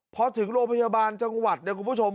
พอถึงโรงพยาบาลจังหวัดเนี่ยคุณผู้ชม